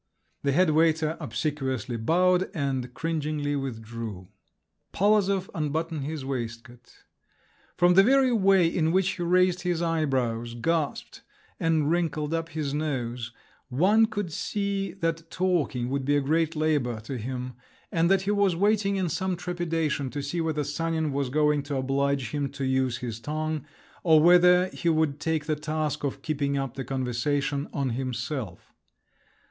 The head waiter obsequiously bowed, and cringingly withdrew. Polozov unbuttoned his waistcoat. From the very way in which he raised his eyebrows, gasped, and wrinkled up his nose, one could see that talking would be a great labour to him, and that he was waiting in some trepidation to see whether Sanin was going to oblige him to use his tongue, or whether he would take the task of keeping up the conversation on himself.